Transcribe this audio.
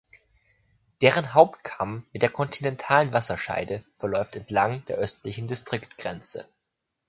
Deren Hauptkamm mit der kontinentalen Wasserscheide verläuft entlang der östlichen Distriktgrenze.